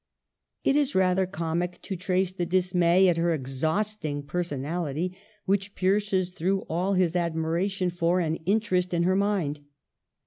It is rather comic to trace the dismay at her exhausting personality which pierces through all his admiration for, and interest in, her mind.